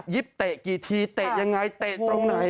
เตะกี่ทีเตะยังไงเตะตรงไหน